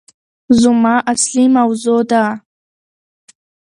زما اصلي موضوع ده